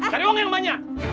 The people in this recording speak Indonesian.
cari uang yang banyak